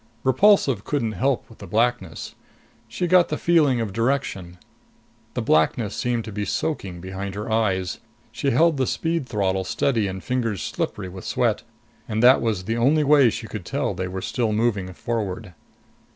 Repulsive couldn't help with the blackness. She got the feeling of direction. The blackness seemed to be soaking behind her eyes. She held the speed throttle steady in fingers slippery with sweat, and that was the only way she could tell they were still moving forward.